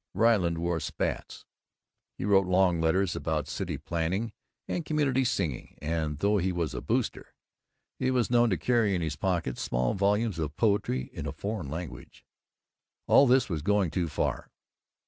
Ryland wore spats, he wrote long letters about City Planning and Community Singing, and, though he was a Booster, he was known to carry in his pocket small volumes of poetry in a foreign language. All this was going too far.